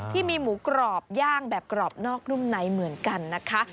ที่มีหมูกรอบย่างแบบกรอบนอกนุ่มในเหมือนกันนะคะ